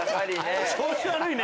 調子悪いね！